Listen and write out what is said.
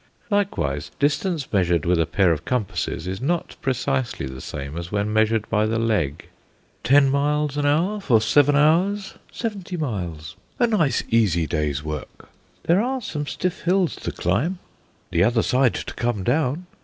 Likewise, distance measured with a pair of compasses is not precisely the same as when measured by the leg. "Ten miles an hour for seven hours, seventy miles. A nice easy day's work." "There are some stiff hills to climb?" "The other side to come down.